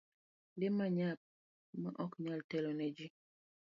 Lee manyap ma ok nyal telo ne ji.